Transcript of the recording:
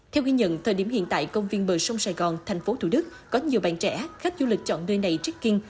theo ghi nhận thời điểm hiện tại công viên bờ sông sài gòn thành phố thủ đức có nhiều bạn trẻ khách du lịch chọn nơi này trích kinh